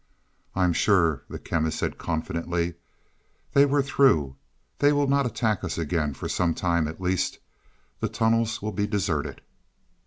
"I'm sure," the Chemist said confidently, "they were through; they will not attack us again; for some time at least. The tunnels will be deserted."